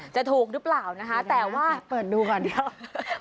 จะถูกหรือเปล่านะคะแต่ว่าเปิดดูก่อนเดี๋ยว